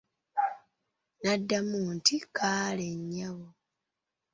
Naddmu nti kaale nnyabo.